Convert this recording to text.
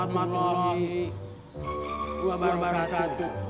waalaikumsalam warahmatullahi wabarakatuh